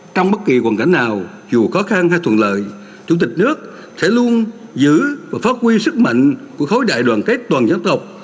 trong bất kỳ hoàn cảnh nào dù khó khăn hay thuận lợi chủ tịch nước sẽ luôn giữ và phát huy sức mạnh của khối đại đoàn kết toàn dân tộc